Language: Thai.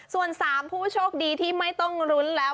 ส่วน๓ผู้โชคดีที่ไม่ต้องรุ้นแล้ว